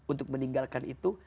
untuk meninggalkan itu